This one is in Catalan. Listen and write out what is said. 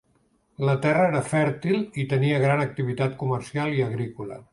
La terra era fèrtil i tenia gran activitat comercial i agrícola.